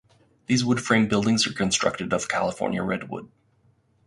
These wood frame buildings are constructed of California redwood.